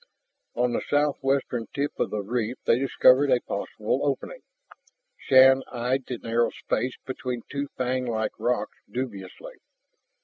On the southwestern tip of the reef they discovered a possible opening. Shann eyed the narrow space between two fanglike rocks dubiously.